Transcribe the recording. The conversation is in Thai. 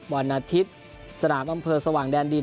อ้อวันอาทิตย์สนามอำเพิ่งสวางแดนดิน